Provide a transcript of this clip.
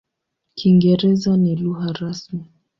Kiingereza ni lugha rasmi.